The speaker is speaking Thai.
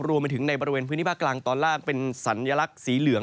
รวมไปถึงในบริเวณพื้นที่ภาคกลางตอนล่างเป็นสัญลักษณ์สีเหลือง